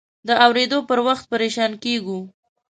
د اورېدو پر وخت پریشان کېږو.